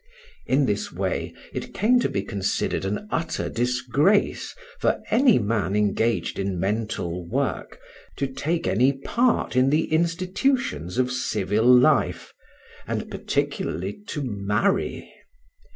In this way it came to be considered an utter disgrace for any man engaged in mental work to take any part in the institutions of civil life, and particularly to marry.